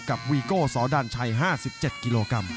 กับวีโกสอดาลชัย๕๗กิโลกรัม